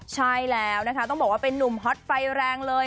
ใช่แล้วนะคะต้องบอกว่าเป็นนุ่มฮอตไฟแรงเลย